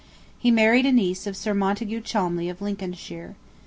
He married a niece of Sir Montague Cholmeley of Lincolnshire.